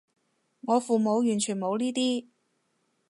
我父母完全冇呢啲